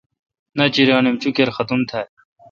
ناچریانو اں چوکیر ختم تھال۔